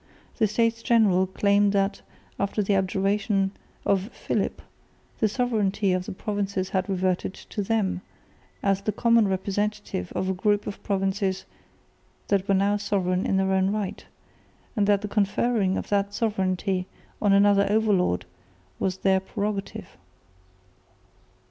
The States General claimed that, after the abjuration of Philip, the sovereignty of the provinces had reverted to them, as the common representative of a group of provinces that were now sovereign in their own right, and that the conferring of that sovereignty on another overlord was their prerogative.